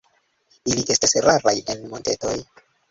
Ili estas raraj en montetoj.